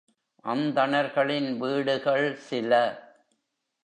அந்தணர்களின் வீடுகள் சில.